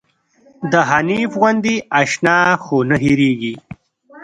د حنيف غوندې اشنا خو نه هيريږي